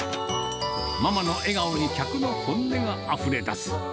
ママの笑顔に客の本音があふれ出す。